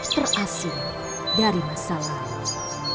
terasih dari masa lalu